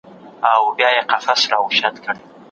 د زوی بیک په اوږه و او هغه په بیړه له زینې ښکته شو.